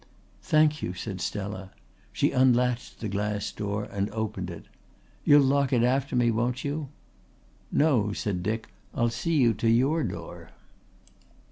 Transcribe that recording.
"Thank you," said Stella. She unlatched the glass door and opened it. "You'll lock it after me, won't you?" "No," said Dick. "I'll see you to your door."